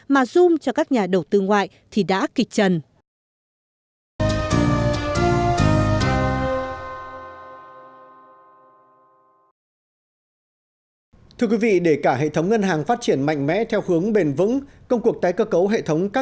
mà giúp cho các nhà đầu tư ngoại thì đã kịch trần